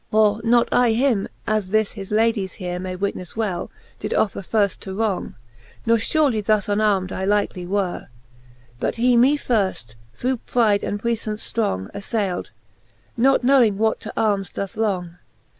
For not I him as this his Ladie here May witnefTe well, did offer firft to wrong, Ke furely thus unarm'd I likely were ; But he me firft, through pride and puiifance ftrong, Aflayld, not knowing what to armes doth long.